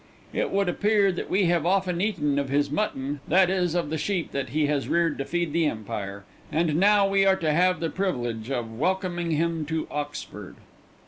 "It would appear that we have often eaten of his mutton that is, of the sheep that he has reared to feed the Empire and now we are to have the privilege of welcoming him to Oxford.